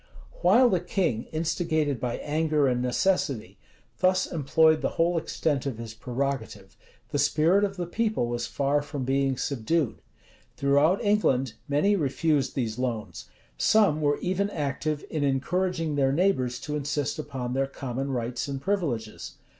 While the king, instigated by anger and necessity, thus employed the whole extent of his prerogative, the spirit of the people was far from being subdued. Throughout England, many refused these loans; some were even active in encouraging their neighbors to insist upon their common rights and privileges.